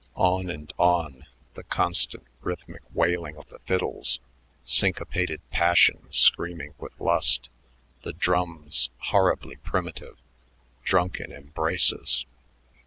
On and on, the constant rhythmic wailing of the fiddles, syncopated passion screaming with lust, the drums, horribly primitive; drunken embraces....